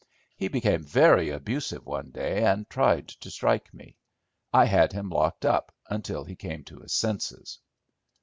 He became very abusive one day and tried to strike me. I had him locked up until he came to his senses.